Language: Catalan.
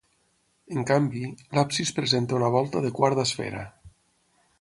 En canvi, l'absis presenta una volta de quart d'esfera.